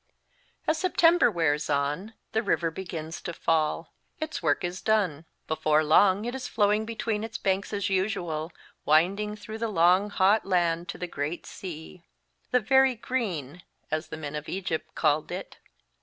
As September wears on, the rivor begins to fall. Its work is done. Before long it is flowing between its banks as usual, winding through the long hot land to the Great Sea the " Very Green," as the men of Egypt called it.